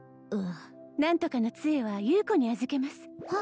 何とかの杖は優子に預けます